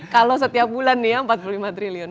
kalau setiap bulan nih ya empat puluh lima triliun